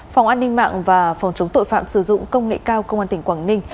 phòng an ninh mạng và phòng chống tội phạm sử dụng công nghệ cao công an tỉnh quảng ninh